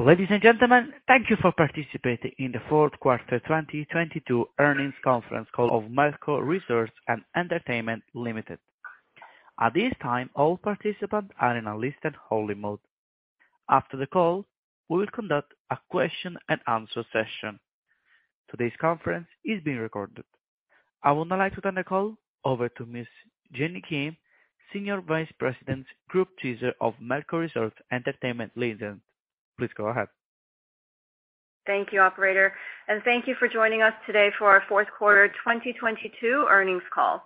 Ladies and gentlemen, thank you for participating in the Q4 2022 earnings conference call of Melco Resorts & Entertainment Limited. At this time, all participants are in a listen-only mode. After the call, we will conduct a question-and-answer session. Today's conference is being recorded. I would now like to turn the call over to Ms. Jeanny Kim, Senior Vice President, Group Treasurer of Melco Resorts & Entertainment Limited. Please go ahead. Thank you operator. Thank you for joining us today for our Q4 2022 earnings call.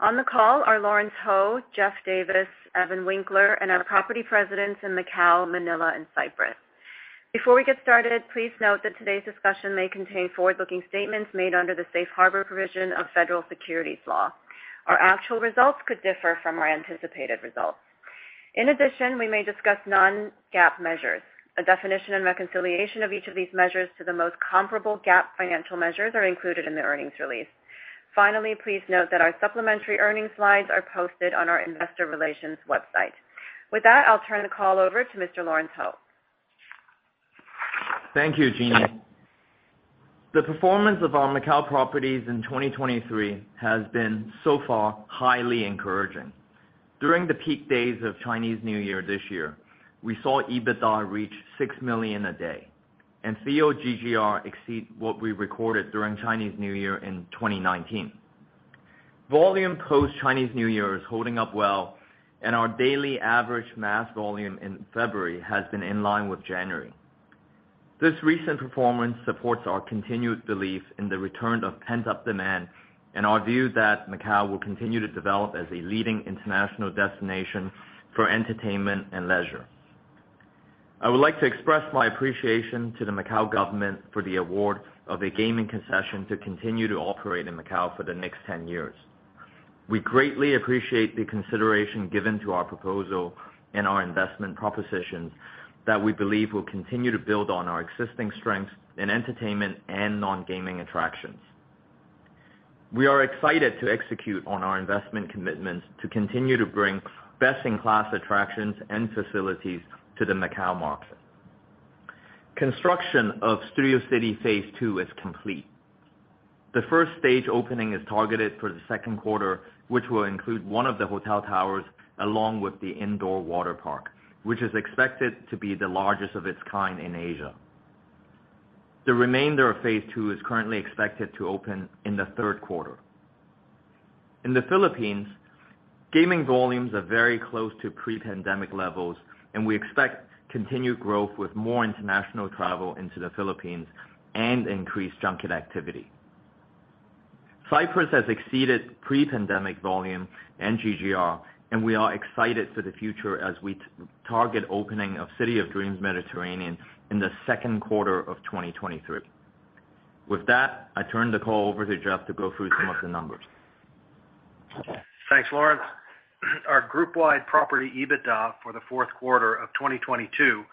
On the call are Lawrence Ho, Geoff Davis, Evan Winkler, and our property presidents in Macao, Manila, and Cyprus. Before we get started, please note that today's discussion may contain forward-looking statements made under the Safe Harbor provision of federal securities law. Our actual results could differ from our anticipated results. We may discuss non-GAAP measures. A definition and reconciliation of each of these measures to the most comparable GAAP financial measures are included in the earnings release. Please note that our supplementary earnings slides are posted on our investor relations website. With that, I'll turn the call over to Mr. Lawrence Ho. Thank you, Jeanny. The performance of our Macau properties in 2023 has been, so far, highly encouraging. During the peak days of Chinese New Year this year, we saw EBITDA reach $6 million a day and COD GGR exceed what we recorded during Chinese New Year in 2019. Volume post-Chinese New Year is holding up well, and our daily average mass volume in February has been in line with January. This recent performance supports our continued belief in the return of pent-up demand and our view that Macau will continue to develop as a leading international destination for entertainment and leisure. I would like to express my appreciation to the Macau government for the award of a gaming concession to continue to operate in Macau for the next 10 years. We greatly appreciate the consideration given to our proposal and our investment proposition that we believe will continue to build on our existing strengths in entertainment and non-gaming attractions. We are excited to execute on our investment commitments to continue to bring best-in-class attractions and facilities to the Macao market. Construction of Studio City Phase 2 is complete. The first stage opening is targeted for the Q2, which will include one of the hotel towers along with the indoor water park, which is expected to be the largest of its kind in Asia. The remainder of Phase 2 is currently expected to open in the third quarter. In the Philippines, gaming volumes are very close to pre-pandemic levels. We expect continued growth with more international travel into the Philippines and increased junket activity. We are excited for the future as we target opening of City of Dreams Mediterranean in the Q2 of 2023. With that, I turn the call over to Geoff to go through some of the numbers. Thanks, Lawrence. Our group-wide property EBITDA for the Q4 of 2022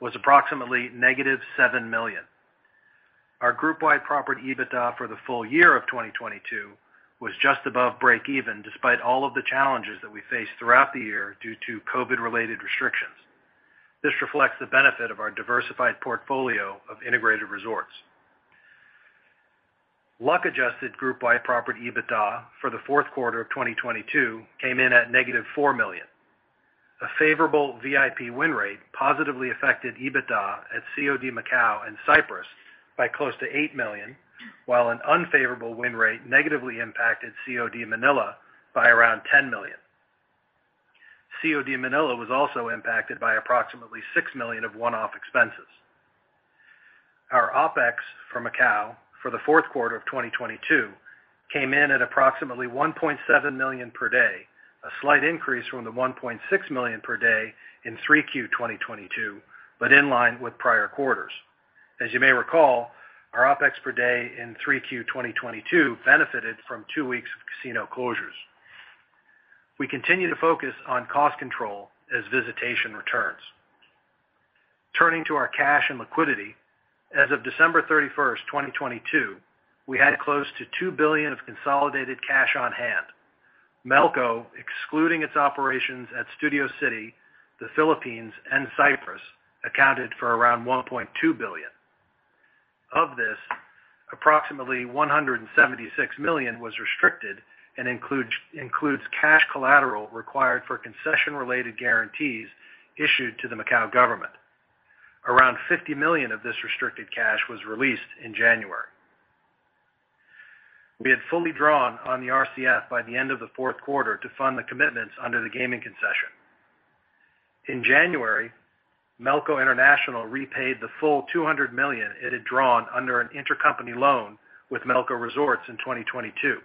was approximately negative $7 million. Our group-wide property EBITDA for the full year of 2022 was just above break even, despite all of the challenges that we faced throughout the year due to COVID-related restrictions. This reflects the benefit of our diversified portfolio of integrated resorts. Luck adjusted group-wide property EBITDA for the Q4 of 2022 came in at negative $4 million. A favorable VIP win rate positively affected EBITDA at COD Macau and Cyprus by close to $8 million, while an unfavorable win rate negatively impacted COD Manila by around $10 million. COD Manila was also impacted by approximately $6 million of one-off expenses. Our OpEx for Macao for the Q4 of 2022 came in at approximately $1.7 million per day, a slight increase from the $1.6 million per day in 3Q 2022, in line with prior quarters. As you may recall, our OpEx per day in 3Q 2022 benefited from two weeks of casino closures. We continue to focus on cost control as visitation returns. Turning to our cash and liquidity, as of December 31st, 2022, we had close to $2 billion of consolidated cash on hand. Melco, excluding its operations at Studio City, the Philippines, and Cyprus, accounted for around $1.2 billion. Of this, approximately $176 million was restricted and includes cash collateral required for concession-related guarantees issued to the Macao government. Around $50 million of this restricted cash was released in January. We had fully drawn on the RCF by the end of the Q4 to fund the commitments under the gaming concession. In January, Melco International repaid the full $200 million it had drawn under an intercompany loan with Melco Resorts in 2022.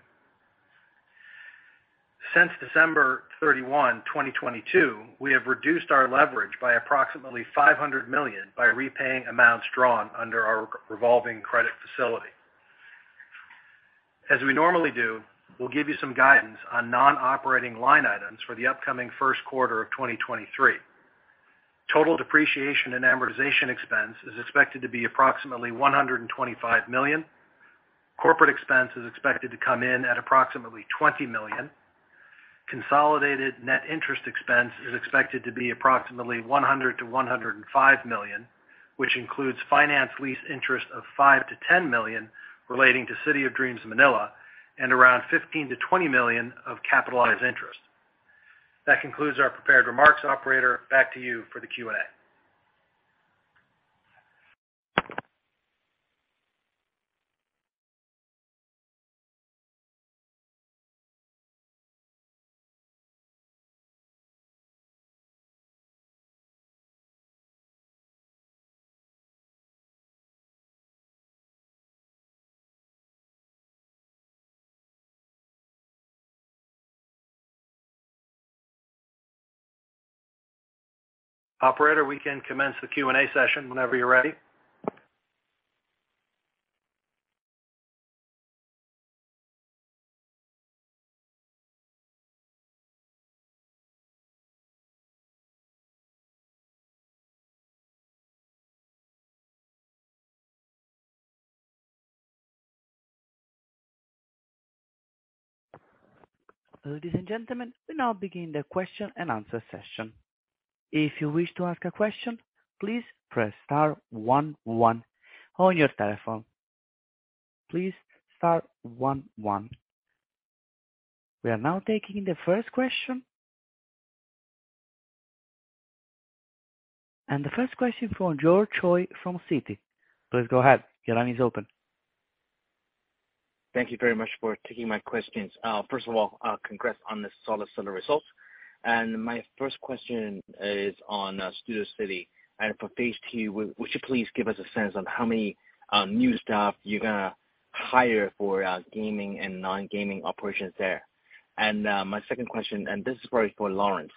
Since December 31, 2022, we have reduced our leverage by approximately $500 million by repaying amounts drawn under our revolving credit facility. As we normally do, we'll give you some guidance on non-operating line items for the upcoming first quarter of 2023. Total depreciation and amortization expense is expected to be approximately $125 million. Corporate expense is expected to come in at approximately $20 million. Consolidated net interest expense is expected to be approximately $100 million-$105 million, which includes finance lease interest of $5 million-$10 million relating to City of Dreams Manila and around $15 million-$20 million of capitalized interest. That concludes our prepared remarks. Operator, back to you for the Q&A. Operator, we can commence the Q&A session whenever you're ready. Ladies and gentlemen, we now begin the question-and-answer session. If you wish to ask a question, please press star one one on your telephone. Please star one one. We are now taking the first question. The first question from George Choi from Citi. Please go ahead. Your line is open. Thank you very much for taking my questions. First of all, congrats on the solid results. My first question is on Studio City. For phase two, would you please give us a sense on how many new staff you're going to hire for gaming and non-gaming operations there? My second question, this is probably for Lawrence.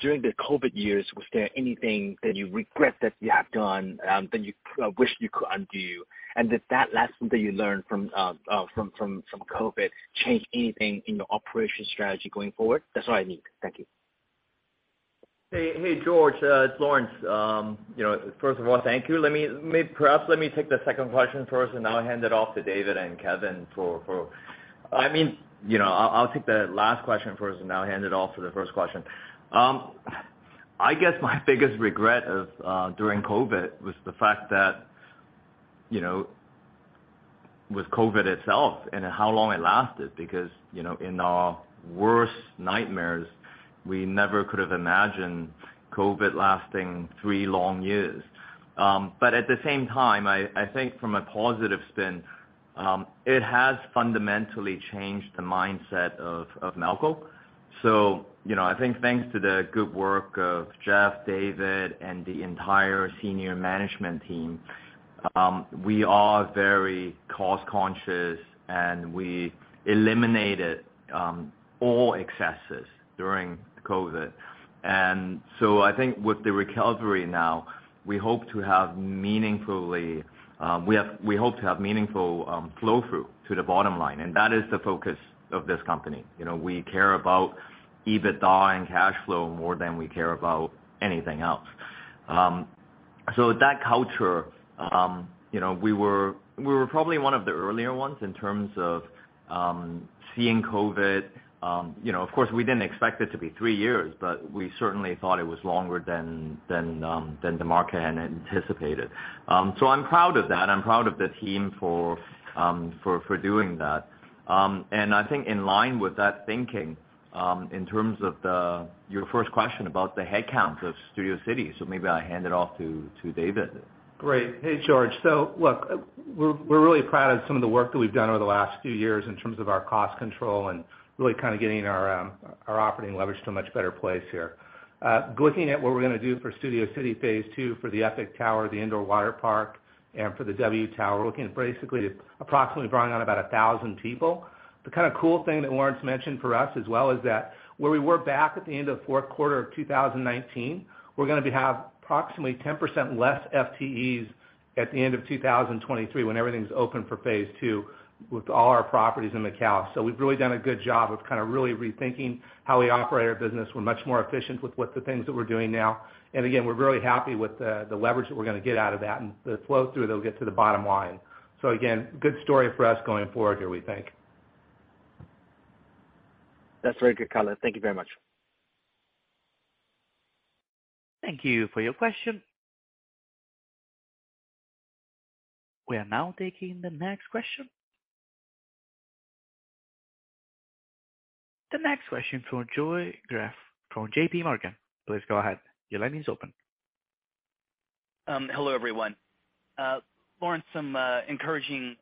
During the COVID years, was there anything that you regret that you have done that you wish you could undo? Did that lesson that you learned from COVID change anything in your operation strategy going forward? That's all I need. Thank you. Hey, hey, George, it's Lawrence. You know, first of all, thank you. Maybe perhaps let me take the second question first, I'll hand it off to David and Kevin for. I mean, you know, I'll take the last question first, I'll hand it off to the first question. I guess my biggest regret of during COVID was the fact that, you know, with COVID itself and how long it lasted, because, you know, in our worst nightmares, we never could have imagined COVID lasting three long years. At the same time, I think from a positive spin, it has fundamentally changed the mindset of Melco. You know, I think thanks to the good work of Geoff Davis, David, and the entire senior management team, we are very cost-conscious, and we eliminated all excesses during the COVID. I think with the recovery now, we hope to have meaningfully, we hope to have meaningful flow-through to the bottom line, and that is the focus of this company. You know, we care about EBITDA and cash flow more than we care about anything else. That culture, you know, we were, we were probably one of the earlier ones in terms of seeing COVID. You know, of course, we didn't expect it to be three years, but we certainly thought it was longer than the market had anticipated. I'm proud of that. I'm proud of the team for doing that. I think in line with that thinking, in terms of your first question about the headcount of Studio City, maybe I hand it off to David. Great. Hey, George. Look, we're really proud of some of the work that we've done over the last few years in terms of our cost control and really kind of getting our operating leverage to a much better place here. Looking at what we're going to do for Studio City Phase 2 for the Epic Tower, the indoor waterpark, and for the W Tower, we're looking basically to approximately bringing on about 1,000 people. The kind of cool thing that Lawrence mentioned for us as well is that where we were back at the end of Q4 of 2019, we're going to be have approximately 10% less FTEs at the end of 2023 when everything's open for Phase 2 with all our properties in Macau. We've really done a good job of kind of really rethinking how we operate our business. We're much more efficient with what the things that we're doing now. Again, we're really happy with the leverage that we're going to get out of that and the flow-through that'll get to the bottom line. Again, good story for us going forward here, we think. That's very good color. Thank you very much. Thank you for your question. We are now taking the next question. The next question from Joe Greff from JP Morgan. Please go ahead. Your line is open. Hello, everyone. Lawrence, some encouraging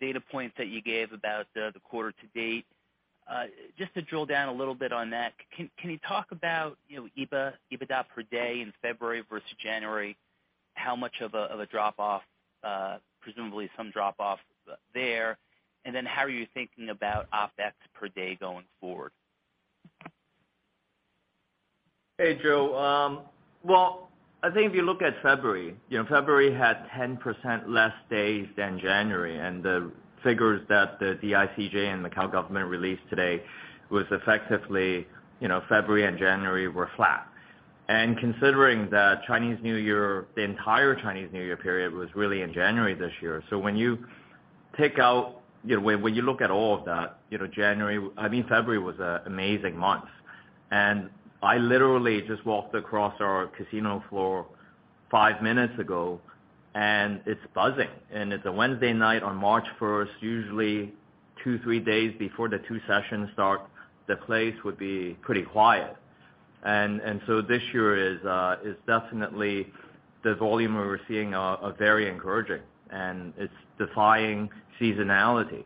data points that you gave about the quarter to date. Just to drill down a little bit on that, can you talk about, you know, EBITDA per day in February versus January? How much of a drop-off, presumably some drop-off there? How are you thinking about OpEx per day going forward? Hey, Joe. Well, I think if you look at February, you know, February had 10% less days than January. The figures that the DICJ and Macau government released today was effectively, you know, February and January were flat. Considering that Chinese New Year, the entire Chinese New Year period was really in January this year, when you look at all of that, you know, I mean, February was a amazing month. I literally just walked across our casino floor five minutes ago, and it's buzzing. It's a Wednesday night on March 1st, usually two, three days before the two sessions start, the place would be pretty quiet. This year is definitely the volume we're seeing are very encouraging, and it's defying seasonality.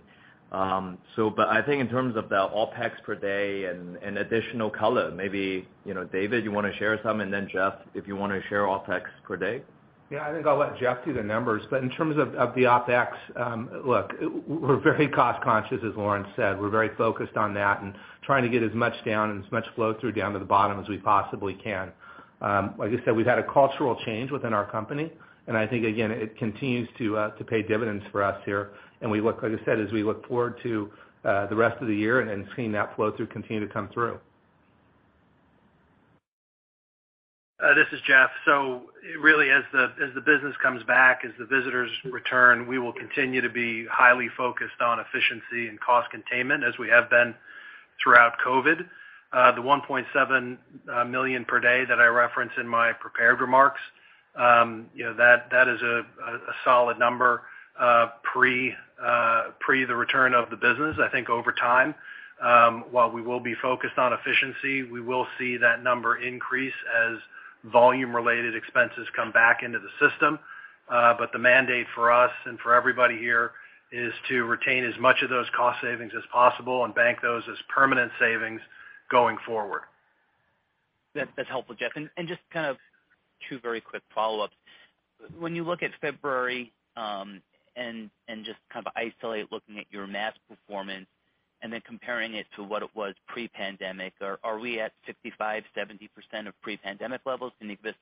I think in terms of the OpEx per day and additional color, maybe, you know, David, you want to share some? Geoff, if you want to share OpEx per day? Yeah. I think I'll let Geoff do the numbers. In terms of the OpEx, look, we're very cost-conscious, as Lawrence said. We're very focused on that and trying to get as much down and as much flow through down to the bottom as we possibly can. Like I said, we've had a cultural change within our company, and I think, again, it continues to pay dividends for us here. Like I said, as we look forward to the rest of the year, seeing that flow through continue to come through. This is Geoff. Really, as the business comes back, as the visitors return, we will continue to be highly focused on efficiency and cost containment as we have been throughout COVID. The $1.7 million per day that I referenced in my prepared remarks, you know, that is a solid number pre the return of the business. I think over time, while we will be focused on efficiency, we will see that number increase as volume-related expenses come back into the system. The mandate for us and for everybody here is to retain as much of those cost savings as possible and bank those as permanent savings going forward. That's helpful, Geoff. Just kind of two very quick follow-ups. When you look at February, and just kind of isolate looking at your math performance and then comparing it to what it was pre-pandemic, are we at 65%-70% of pre-pandemic levels? Can you give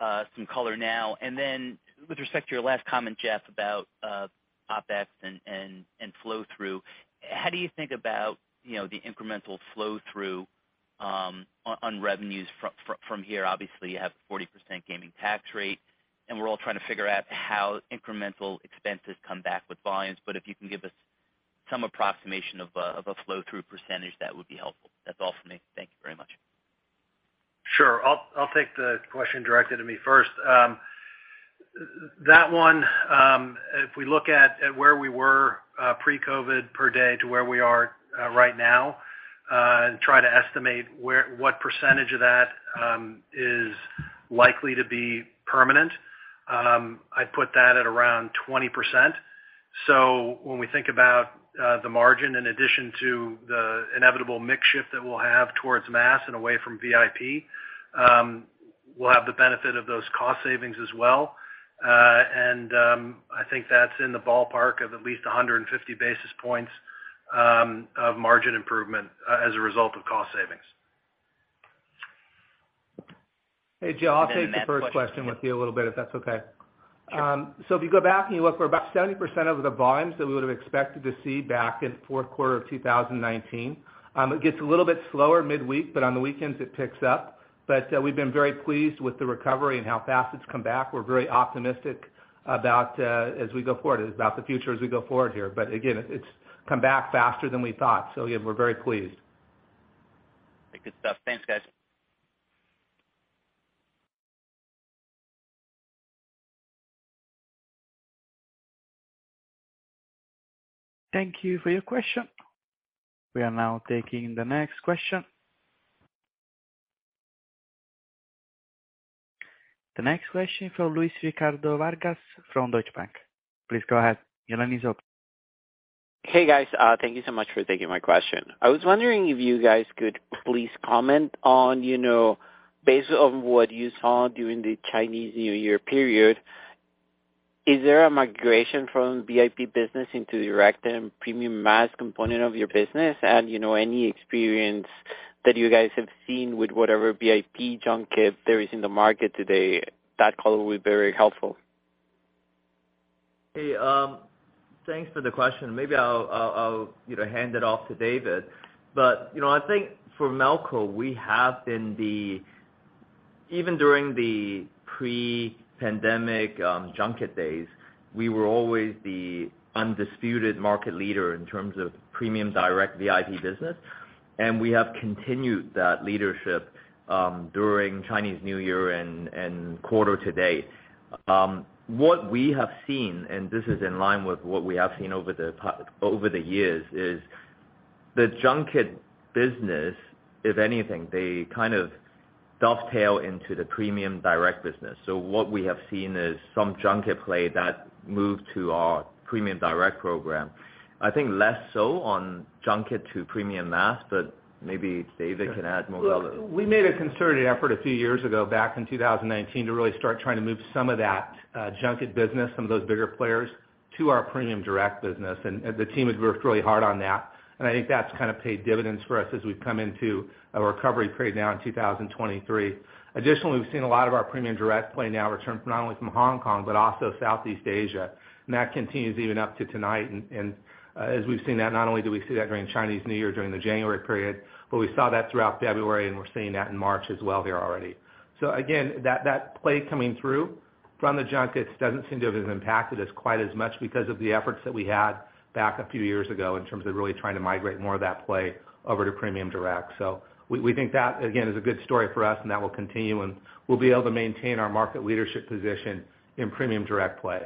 us some color now? With respect to your last comment, Jeff, about OpEx and flow through, how do you think about, you know, the incremental flow through on revenues from here? Obviously, you have 40% gaming tax rate, and we're all trying to figure out how incremental expenses come back with volumes. If you can give us some approximation of a flow through percentage, that would be helpful. That's all for me. Thank you very much. Sure. I'll take the question directed to me first. That one, if we look at where we were pre-COVID per day to where we are right now, and try to estimate what percentage of that is likely to be permanent, I'd put that at around 20%. When we think about the margin in addition to the inevitable mix shift that we'll have towards mass and away from VIP, we'll have the benefit of those cost savings as well. I think that's in the ballpark of at least 150 basis points of margin improvement as a result of cost savings. Hey, Joe, I'll take the first question with you a little bit, if that's okay. Sure. If you go back and you look, we're about 70% of the volumes that we would've expected to see back in Q4 of 2019. It gets a little bit slower midweek, but on the weekends it picks up. We've been very pleased with the recovery and how fast it's come back. We're very optimistic about, as we go forward, about the future as we go forward here. Again, it's come back faster than we thought. Yeah, we're very pleased. Good stuff. Thanks, guys. Thank you for your question. We are now taking the next question. The next question from Luis Ricardo Vargas from Deutsche Bank. Please go ahead. Your line is open. Hey, guys. Thank you so much for taking my question. I was wondering if you guys could please comment on, you know, based on what you saw during the Chinese New Year period, is there a migration from VIP business into direct and premium mass component of your business? Any experience that you guys have seen with whatever VIP junket there is in the market today, that call will be very helpful. Hey, thanks for the question. Maybe I'll hand it off to David. I think for MLCO, we have been even during the pre-pandemic junket days, we were always the undisputed market leader in terms of premium direct VIP business, and we have continued that leadership during Chinese New Year and quarter to date. What we have seen, and this is in line with what we have seen over the years, is the junket business, if anything, they kind of dovetail into the premium direct business. What we have seen is some junket play that moved to our premium direct program. I think less so on junket to premium mass, but maybe David can add more. Look, we made a concerted effort a few years ago, back in 2019, to really start trying to move some of that junket business, some of those bigger players to our premium direct business. The team has worked really hard on that. I think that's kind of paid dividends for us as we've come into a recovery period now in 2023. Additionally, we've seen a lot of our premium direct play now return from not only from Hong Kong, but also Southeast Asia. That continues even up to tonight. As we've seen that, not only do we see that during Chinese New Year, during the January period, but we saw that throughout February, and we're seeing that in March as well there already. Again, that play coming through. From the junkets doesn't seem to have impacted us quite as much because of the efforts that we had back a few years ago in terms of really trying to migrate more of that play over to premium direct. We think that, again, is a good story for us, and that will continue, and we'll be able to maintain our market leadership position in premium direct play.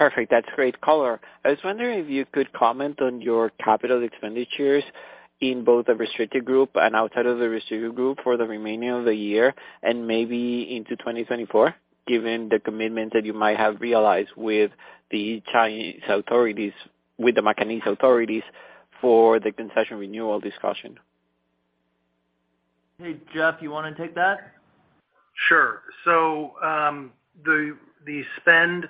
Perfect. That's great color. I was wondering if you could comment on your CapEx in both the restricted group and outside of the restricted group for the remaining of the year and maybe into 2024, given the commitment that you might have realized with the Chinese authorities, with the Macanese authorities for the concession renewal discussion. Hey, Geoff, you want to take that? Sure. The spend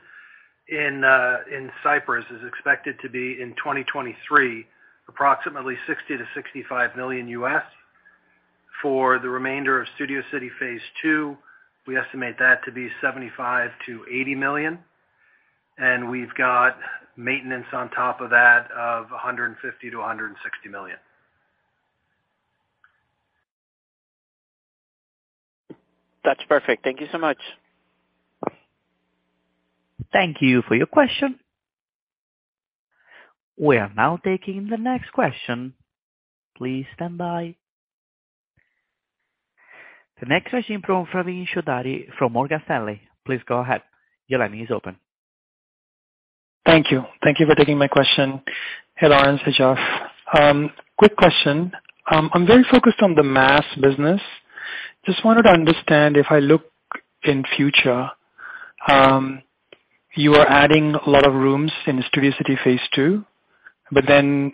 in Cyprus is expected to be in 2023, approximately $60 million-$65 million. For the remainder of Studio City Phase 2, we estimate that to be $75 million-$80 million. We've got maintenance on top of that of $150 million-$160 million. That's perfect. Thank you so much. Thank you for your question. We are now taking the next question. Please stand by. The next question from Praveen Choudhary from Morgan Stanley. Please go ahead. Your line is open. Thank you. Thank you for taking my question. Hey, Lawrence and Geoff. Quick question. I'm very focused on the mass business. Just wanted to understand if I look in future, you are adding a lot of rooms in Studio City Phase 2, but then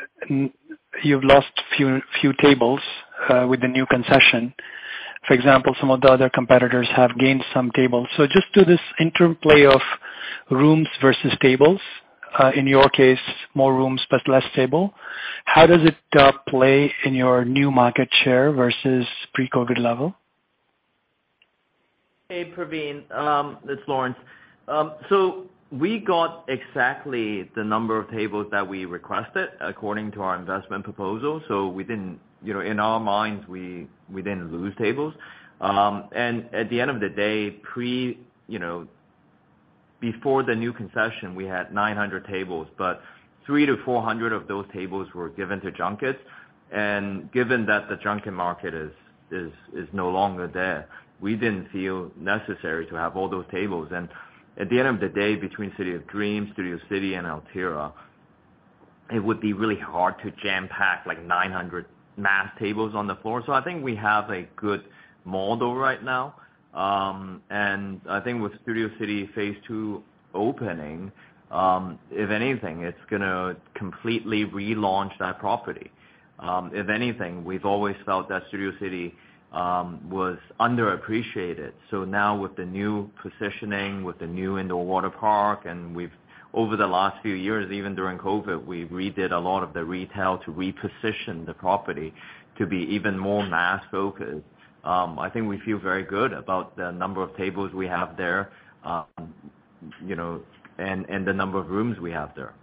you've lost few tables with the new concession. For example, some of the other competitors have gained some tables. Just to this interplay of rooms versus tables, in your case, more rooms, but less table, how does it play in your new market share versus pre-COVID level? Hey, Praveen, it's Lawrence. We got exactly the number of tables that we requested according to our investment proposal. We didn't, you know, in our minds, we didn't lose tables. At the end of the day, pre, you know, before the new concession, we had 900 tables, but 300-400 of those tables were given to junkets. Given that the junket market is no longer there, we didn't feel necessary to have all those tables. At the end of the day, between City of Dreams, Studio City, and Altira, it would be really hard to jam-pack like 900 mass tables on the floor. I think we have a good model right now. I think with Studio City Phase 2 opening, if anything, it's going to completely relaunch that property. If anything, we've always felt that Studio City was underappreciated. Now with the new positioning, with the new indoor water park, and over the last few years, even during COVID, we redid a lot of the retail to reposition the property to be even more mass-focused. I think we feel very good about the number of tables we have there, you know, and the number of rooms we have there.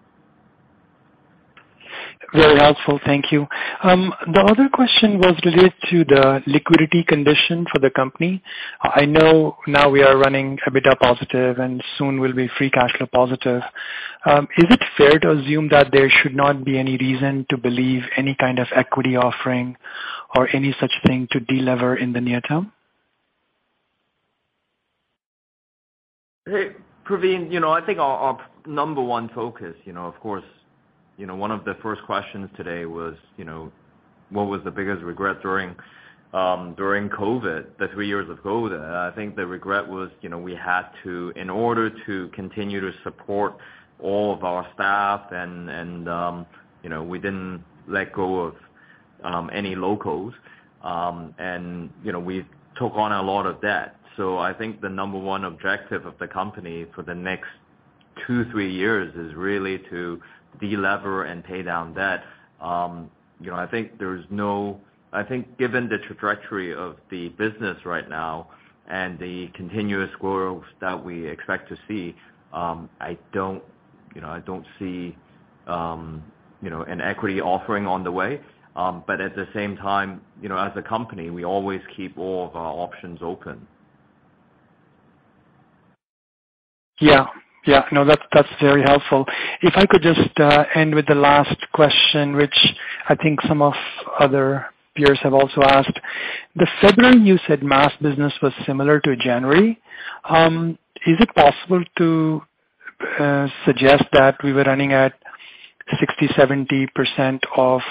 Very helpful. Thank you. The other question was related to the liquidity condition for the company. I know now we are running EBITDA positive, and soon we'll be free cash flow positive. Is it fair to assume that there should not be any reason to believe any kind of equity offering or any such thing to de-lever in the near term? Hey, Praveen, you know, I think our number one focus, you know, of course, you know, one of the first questions today was, you know, what was the biggest regret during COVID, the three years of COVID? I think the regret was, you know, we had to, in order to continue to support all of our staff and, you know, we didn't let go of any locals, and, you know, we took on a lot of debt. I think the number one objective of the company for the next two, three years is really to de-lever and pay down debt. You know, I think there's no. I think given the trajectory of the business right now and the continuous growth that we expect to see, I don't, you know, I don't see, you know, an equity offering on the way. At the same time, you know, as a company, we always keep all of our options open. Yeah. Yeah. No, that's very helpful. If I could just end with the last question, which I think some of other peers have also asked. The February, you said mass business was similar to January. Is it possible to suggest that we were running at 60%, 70% of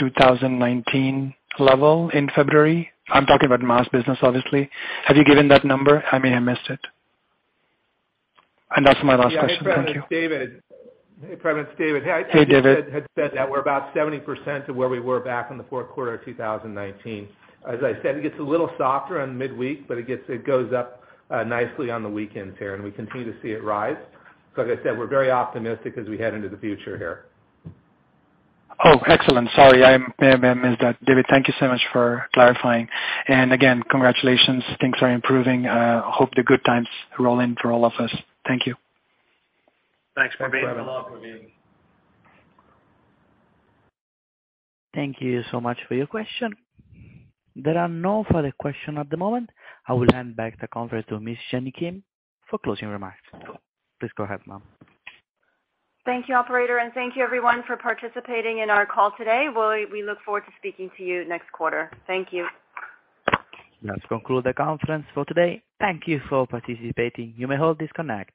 2019 level in February? I'm talking about mass business, obviously. Have you given that number? I may have missed it. That's my last question. Thank you. Yeah. Hey, Praveen, it's David. Hey, David. I think had said that we're about 70% of where we were back in the Q4 of 2019. As I said, it goes up nicely on the weekends here, and we continue to see it rise. Like I said, we're very optimistic as we head into the future here. Oh, excellent. Sorry, I may have missed that. David, thank you so much for clarifying. Again, congratulations. Things are improving. Hope the good times roll in for all of us. Thank you. Thanks, Praveen. Thanks a lot, Praveen. Thank you so much for your question. There are no further question at the moment. I will hand back the conference to Miss Jeanny Kim for closing remarks. Please go ahead, ma'am. Thank you, operator, and thank you everyone for participating in our call today. We look forward to speaking to you next quarter. Thank you. Let's conclude the conference for today. Thank you for participating. You may all disconnect.